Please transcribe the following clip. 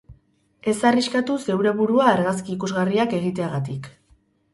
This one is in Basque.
Ez arriskatu zeure burua argazki ikusgarriak egiteagatik.